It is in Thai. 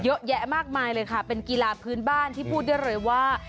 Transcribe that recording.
เยอะแยะมากมายเลยค่ะเป็นกีฬาพื้นบ้านที่พูดได้เลยว่า